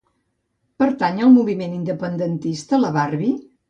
Pertany al moviment independentista la Barbi?